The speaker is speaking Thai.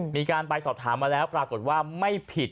มีการไปสอบถามมาแล้วปรากฏว่าไม่ผิด